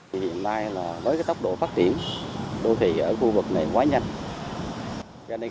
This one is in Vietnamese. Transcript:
vì hiện nay với tốc độ phát triển đô thị ở khu vực này quá nhanh